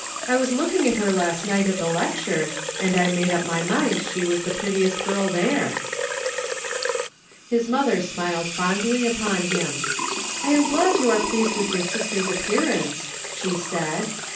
I was looking at her last night at the lecture, and I made up my mind she was the prettiest girl there." His mother smiled fondly upon him. " I am glad you are pleased with your sister's appear ance," she said.